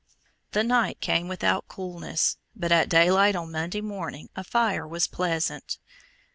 The night came without coolness, but at daylight on Monday morning a fire was pleasant.